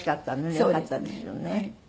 よかったですよね。